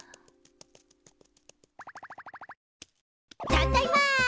たっだいま！